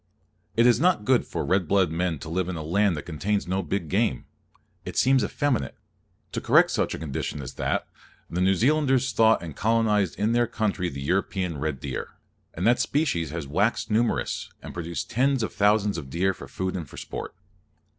It is not good for red blooded men to live in a land that contains no big game. It seems effeminate. To correct such a condition as that, the New Zealanders took thought and colonized in their country the European red deer; and that species has waxed numerous, and produced tens of thousands of deer, for food and for sport.